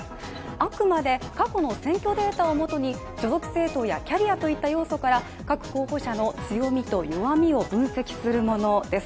あくまで過去の選挙データを基に所属政党やキャリアといった要素から各候補者の強みと弱みを分析するものです。